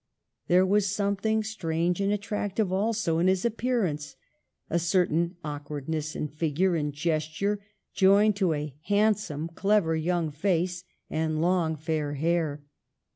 There was something strange and attractive also in his appearance ; a certain awkwardness in fig ure and gesture joined to a handsome, clever, young face and long, fair hair.